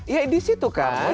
ya di situ kan